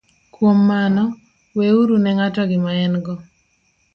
Kuom mano, weuru ne ng'ato gima en - go,